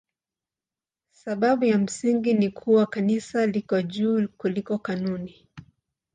Sababu ya msingi ni kuwa Kanisa liko juu kuliko kanuni.